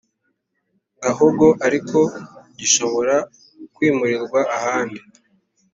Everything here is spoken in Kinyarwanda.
Gahogo ariko gishobora kwimurirwa ahandi